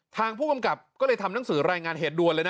ทางผู้กำกับก็เลยทำหนังสือรายงานเหตุด่วนเลยนะ